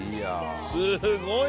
すごいな」